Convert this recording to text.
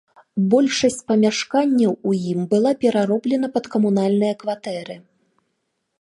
Большасць памяшканняў у ім была перароблена пад камунальныя кватэры.